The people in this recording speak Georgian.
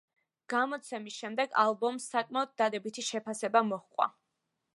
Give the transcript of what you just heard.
გამოცემის შემდეგ ალბომს საკმაოდ დადებითი შეფასება მოჰყვა.